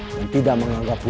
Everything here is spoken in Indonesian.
dan tidak menganggapku